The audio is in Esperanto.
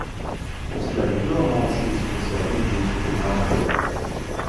Post la diplomo ŝi specialiĝis pri lampoj.